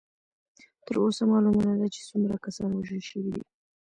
تر اوسه معلومه نه ده چې څومره کسان وژل شوي دي.